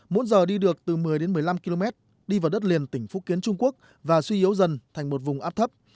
mỗi giờ đi được từ một mươi đến một mươi năm km đi vào đất liền tỉnh phúc kiến trung quốc và suy yếu dần thành một vùng áp thấp